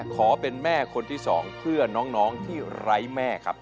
ขอเป็นแม่คนที่๒เพื่อน้องที่ไร้แม่ครับ